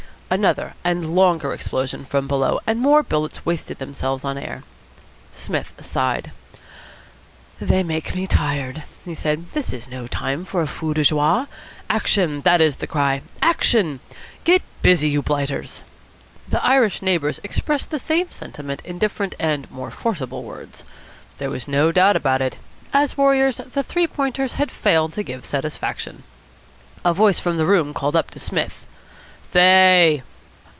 Another and a longer explosion from below, and more bullets wasted themselves on air. Psmith sighed. "They make me tired," he said. "This is no time for a feu de joie. Action! That is the cry. Action! Get busy, you blighters!" The Irish neighbours expressed the same sentiment in different and more forcible words. There was no doubt about it as warriors, the Three Pointers had failed to give satisfaction. A voice from the room called up to Psmith. "Say!"